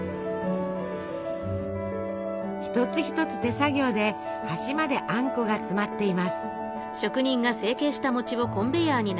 一つ一つ手作業で端まであんこが詰まっています。